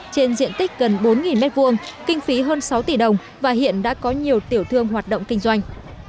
trên diện tích gần bốn m hai kinh phí hơn sáu tỷ đồng và hiện đã có nhiều tiểu thương hoạt động kinh doanh